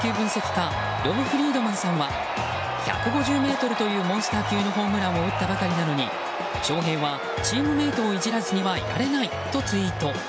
家ロブ・フリードマンさんは１５０ｍというモンスター級のホームランを打ったばかりなのに翔平はチームメートをいじらずにはいられないとツイート。